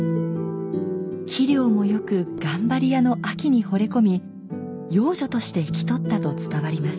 器量も良く頑張り屋のあきにほれ込み養女として引き取ったと伝わります。